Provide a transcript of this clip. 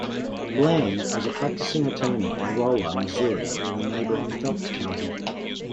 Bland was a practicing attorney in Rolla, Missouri in neighboring Phelps County.